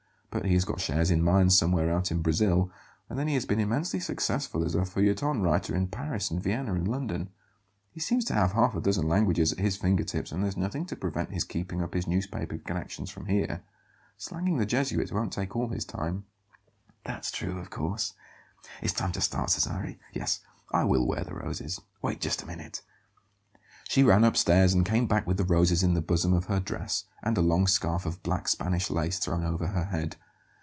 But he has got shares in mines somewhere out in Brazil; and then he has been immensely successful as a feuilleton writer in Paris and Vienna and London. He seems to have half a dozen languages at his finger tips; and there's nothing to prevent his keeping up his newspaper connections from here. Slanging the Jesuits won't take all his time." "That's true, of course. It's time to start, Cesare. Yes, I will wear the roses. Wait just a minute." She ran upstairs, and came back with the roses in the bosom of her dress, and a long scarf of black Spanish lace thrown over her head.